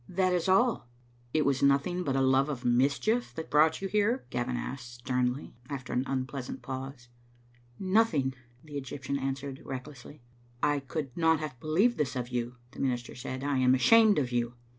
That is all." " It was nothing but a love of mischief that brought you here?" Gavin asked, sternly, after an unpleasant pause. "Nothing," the Eg}^ptian answered, recklessly. " I could not have believed this of you," the minister said; " I am ashamed of you."